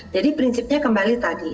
jadi prinsipnya kembali tadi